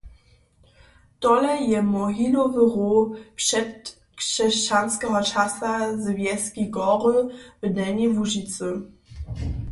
Tole je mohilowy row předkřesćanskeho časa z wjeski Gory w Delnjej Łužicy.